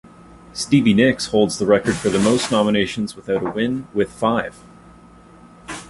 Stevie Nicks holds the record for the most nominations without a win, with five.